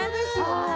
はい。